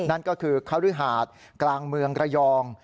นั่นก็คือคฤหาสกลางเมืองระยอง